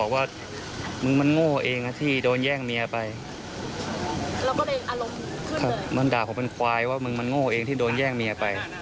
วันนั้นหลังจากที่เขาพูดเรายิงเลยไหม